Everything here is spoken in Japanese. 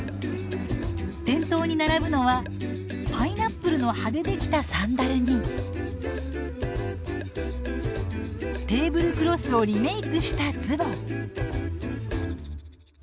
店頭に並ぶのはパイナップルの葉でできたサンダルにテーブルクロスをリメークしたズボン。